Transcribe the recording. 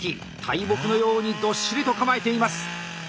大木のようにどっしりと構えています。